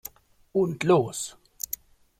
Und los!